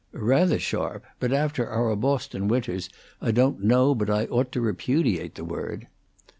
"Rather sharp. But after our Boston winters I don't know but I ought to repudiate the word."